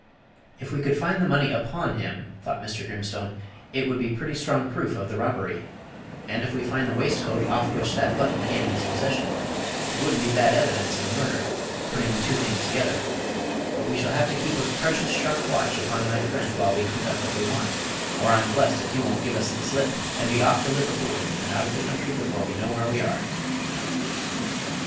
"If we could find the money upon him," thought Mr. Grimstone, "it would be pretty strong proof of the robbery; and if we find the waistcoat off which that button came in his possession, it would n't be bad evidence of the murder, putting the two things together; but we shall have to keep a preshus sharp watch upon my friend while we hunt up what we want, or I'm bless'd if he won't give us the slip, and be off to Liverpool, and out of the country before we know where we are."